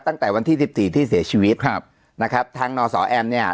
ตั้งแต่วันที่สิบสี่ที่เสียชีวิตครับนะครับทางนอสอแอมเนี่ย